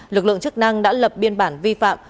lực lượng chức năng đã lập biên bản vi phạm